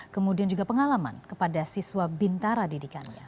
kemudian juga pengalaman kepada siswa bintara didikannya